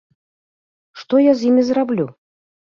Што я з імі зраблю?